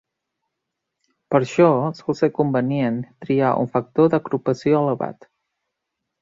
Per això, sol ser convenient triar un factor d'agrupació elevat.